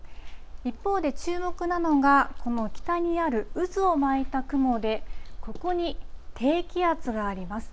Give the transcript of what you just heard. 一方で、注目なのが、この北にある渦を巻いた雲で、ここに低気圧があります。